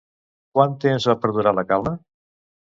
Quant temps va perdurar la calma?